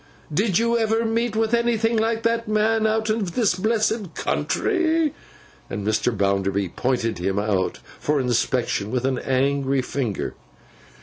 Did you ever meet with anything like that man out of this blessed country?' And Mr. Bounderby pointed him out for inspection, with an angry finger.